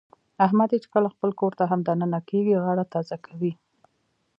احمد چې کله خپل کورته هم د ننه کېږي، غاړه تازه کوي.